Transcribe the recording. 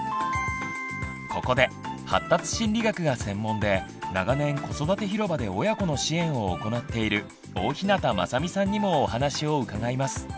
ここで発達心理学が専門で長年子育てひろばで親子の支援を行っている大日向雅美さんにもお話を伺います。